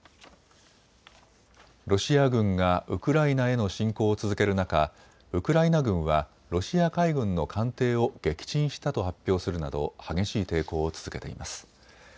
ロシア軍がウクライナへの侵攻を続ける中、ウクライナ軍はロシア海軍の艦艇を撃沈したと発表するなど激しい抵抗を続けています。